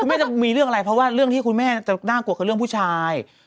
แม่จะมีเรื่องอะไรเพราะว่าเรื่องที่คุณแม่จะน่ากลัวคือเรื่องผู้ชาย